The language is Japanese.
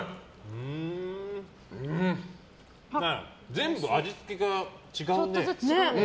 全部、味付けが違うね。